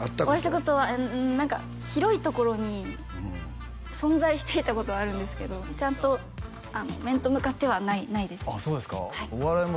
お会いしたことは何か広いところに存在していたことはあるんですけどちゃんと面と向かってはないですああ